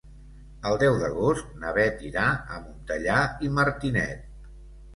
El deu d'agost na Beth irà a Montellà i Martinet.